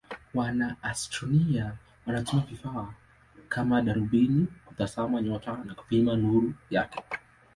Wanaastronomia wanatumia vifaa kama darubini kutazama nyota na kupima nuru yake.